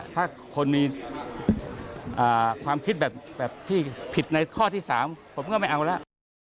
ถ้าคนมีความคิดแบบที่ผิดในข้อที่๓ผมก็ไม่เอาแล้ว